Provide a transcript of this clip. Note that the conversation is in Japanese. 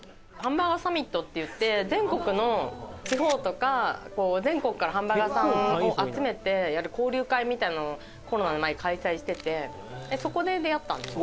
あるんです全国の地方とかこう全国からハンバーガー屋さんを集めてやる交流会みたいなのをコロナの前開催しててそこで出会ったんですね